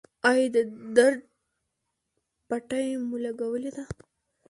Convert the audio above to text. ایا د درد پټۍ مو لګولې ده؟